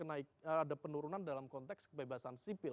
ada penurunan dalam konteks kebebasan sipil